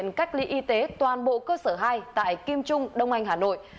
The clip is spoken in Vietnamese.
bệnh viện đã thực hiện cách ly y tế toàn bộ cơ sở hai tại kim trung đông anh hà nội